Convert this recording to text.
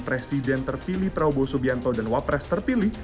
presiden terpilih prabowo subianto dan wapres terpilih